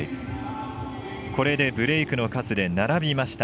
これでブレークの数で並びました。